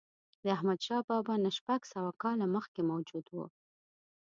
د احمدشاه بابا نه شپږ سوه کاله مخکې موجود و.